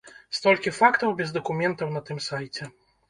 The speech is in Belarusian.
Столькі фактаў без дакументаў на тым сайце.